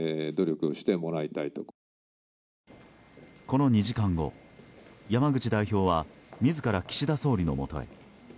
この２時間後、山口代表は自ら岸田総理のもとへ。